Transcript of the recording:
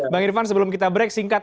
bang irvan sebelum kita break singkat